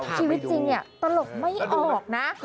ชีวิตจริงเนี่ยตลกไม่ออกนะ